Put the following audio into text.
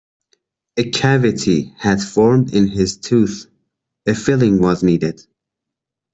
A cavity had formed in his tooth, a filling was needed.